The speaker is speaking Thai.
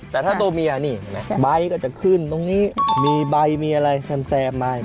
แต่ถ้าตัวเมียนี่เห็นไหมใบก็จะขึ้นตรงนี้มีใบมีอะไรแซมมา